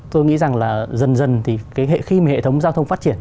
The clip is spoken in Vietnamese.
tôi nghĩ rằng là dần dần thì khi mà hệ thống giao thông phát triển